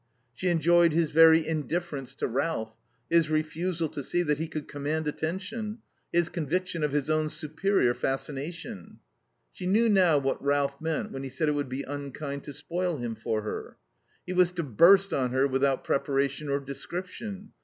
She enjoyed his very indifference to Ralph, his refusal to see that he could command attention, his conviction of his own superior fascination. She knew now what Ralph meant when he said it would be unkind to spoil him for her. He was to burst on her without preparation or description.